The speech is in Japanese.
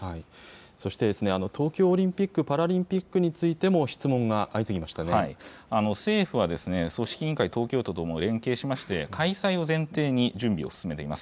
そして、東京オリンピック・パラリンピックについても質問が政府は組織委員会、東京都とも連携しまして、開催を前提に準備を進めています。